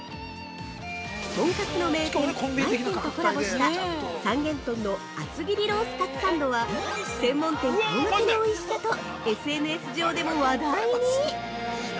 トンカツの名店「まい泉」とコラボした三元豚の厚切りロースカツサンドは、専門店顔負けのおいしさとＳＮＳ上でも話題に。